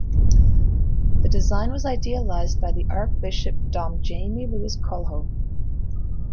The design was idealized by the archbishop Dom Jaime Luiz Coelho.